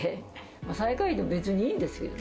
最下位でも別にいいんですけどね。